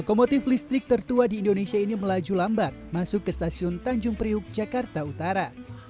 lokomotif listrik tertua di indonesia ini melaju lambat masuk ke stasiun tanjung priuk jakarta utara